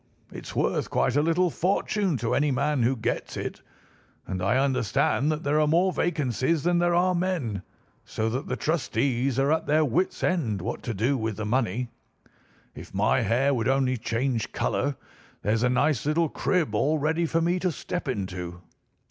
It's worth quite a little fortune to any man who gets it, and I understand that there are more vacancies than there are men, so that the trustees are at their wits' end what to do with the money. If my hair would only change colour, here's a nice little crib all ready for me to step into.